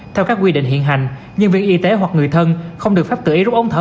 theo các quy định hiện hành nhân viên y tế hoặc người thân không được phép tự ý rút ống thở